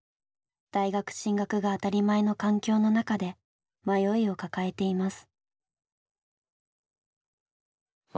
大学進学が当たり前の環境の中で迷いを抱えています。